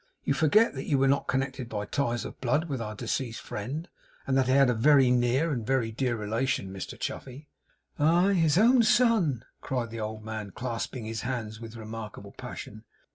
You forget that you were not connected by ties of blood with our deceased friend; and that he had a very near and very dear relation, Mr Chuffey.' 'Aye, his own son!' cried the old man, clasping his hands with remarkable passion.